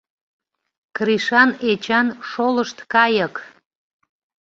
Кришан Эчан шолышт кайык!...